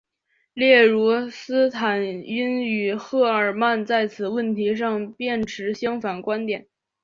例如斯坦因与赫尔曼在此问题上便持相反观点。